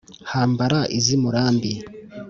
Hambara iz’i Murambi